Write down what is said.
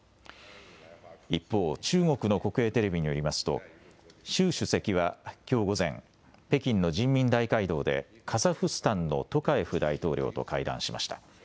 一方、中国の国営テレビによりますと、習主席はきょう午前、北京の人民大会堂で、カザフスタンのトカエフ大統領と会談しました。